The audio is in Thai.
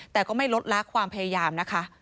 แต่ก็ไม่ลดละความพยายามนะคะ